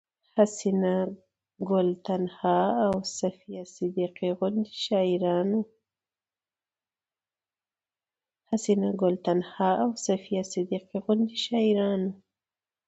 حسينه ګل تنها او صفيه صديقي غوندې شاعرانو